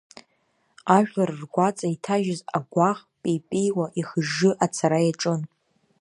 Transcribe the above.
Ажәлар ргәаҵа иҭажьыз агәаӷ пеипеиуа, ихыжжы ацара иаҿын.